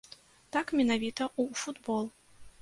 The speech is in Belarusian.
Так, менавіта ў футбол.